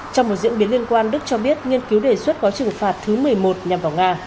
trong một diễn biến liên quan đức cho biết nghiên cứu đề xuất gói trừng phạt thứ một mươi một nhằm vào nga